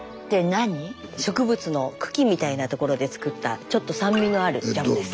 植物の茎みたいなところで作ったちょっと酸味のあるジャムです。